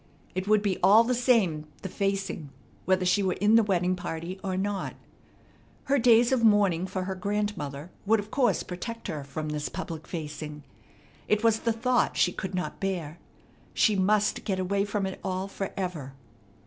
It would be all the same the facing whether she were in the wedding party or not. Her days of mourning for her grandmother would of course protect her from this public facing. It was the thought she could not bear. She must get away from it all forever.